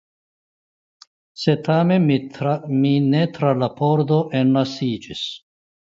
Sed tamen mi ne tra la pordo enlasiĝis.